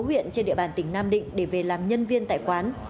huyện trên địa bàn tỉnh nam định để về làm nhân viên tại quán